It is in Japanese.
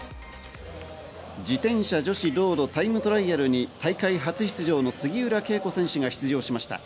自転車女子ロードタイムトライアルに大会初出場の杉浦佳子選手が出場しました。